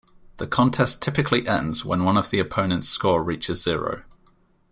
The contest typically ends when one of the opponents' score reaches zero.